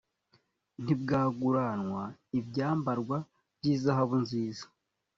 ntibwaguranwa ibyambarwa by izahabu nziza